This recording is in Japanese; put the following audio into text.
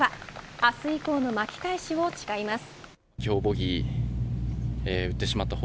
明日以降の巻き返しを誓います。